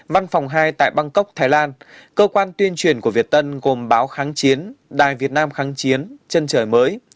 văn phòng hai tại bangkok thái lan cơ quan tuyên truyền của việt tân gồm báo kháng chiến đài việt nam kháng chiến chân trời mới